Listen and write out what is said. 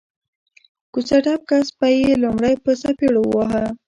کوڅه ډب کس به یې لومړی په څپېړو واهه